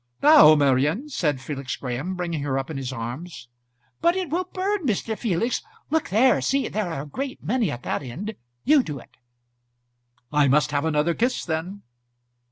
"Now, Marian," said Felix Graham, bringing her up in his arms. "But it will burn, Mr. Felix. Look there; see; there are a great many at that end. You do it." "I must have another kiss then."